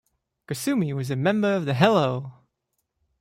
Kusumi was a member of the Hello!